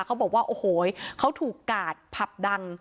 เขาบอกว่าโอ้โหเขาถูกกาดผับดัง